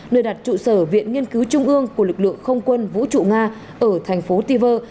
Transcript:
nơi đặt trụ sở viện nghiên cứu trung ương của lực lượng không quân vũ trụ nga ở thành phố tiver